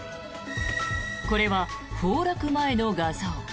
これは崩落前の画像。